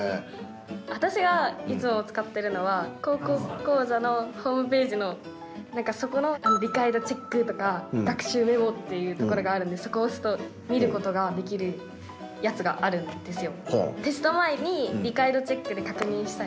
私がいつも使ってるのは「高校講座」のホームページの何かそこの理解度チェックとか学習メモっていうところがあるんでそこを押すと見ることができるやつがあるんですよ。